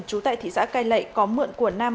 trú tại thị xã cai lệ có mượn của nam